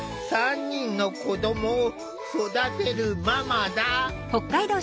３人の子どもを育てるママだ。